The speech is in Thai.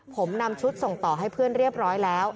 ผมนำชุดส่งต่อให้เพื่อนเรียบร้อยแล้ว